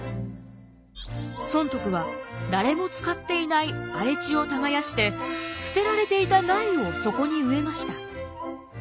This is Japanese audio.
尊徳は誰も使っていない荒れ地を耕して捨てられていた苗をそこに植えました。